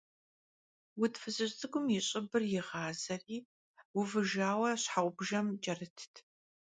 Vud fızıj ts'ık'um yi ş'ıbır yiğazeri vuvıjjaue şheğubjjem ç'erıtt.